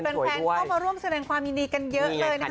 แฟนเข้ามาร่วมแสดงความยินดีกันเยอะเลยนะคะ